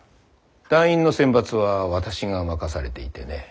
団員の選抜は私が任されていてね。